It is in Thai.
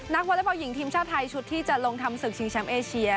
วอเล็กบอลหญิงทีมชาติไทยชุดที่จะลงทำศึกชิงแชมป์เอเชีย